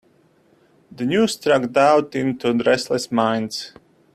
The news struck doubt into restless minds.